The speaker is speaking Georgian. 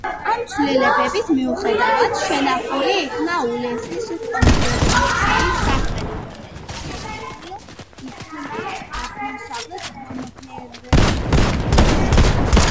ამ ცვლილების მიუხედავად, შენახული იქნა უელსის კონფერენციის სახელი, რომელიც წოდებულ იქნა აღმოსავლეთ კონფერენციას.